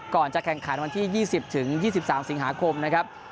ก่อนจะแข่งขันวันที่๒๐๒๓สิงหาคมนะครับ